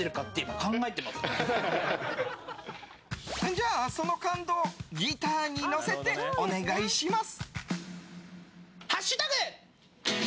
じゃあその感動ギターに乗せてお願いします。